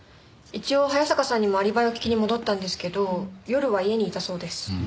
一応早坂さんにもアリバイを聞きに戻ったんですけど夜は家にいたそうです。